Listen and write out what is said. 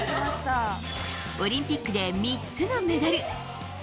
オリンピックで３つのメダル。